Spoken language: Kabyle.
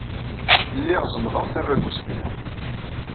Lliɣ zemmḍeɣ tabagust-inu.